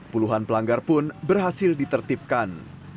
puluhan pelanggar pun berhasil ditertipkan